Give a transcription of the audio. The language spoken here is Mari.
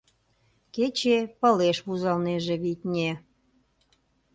Кече пылеш вузалнеже, витне.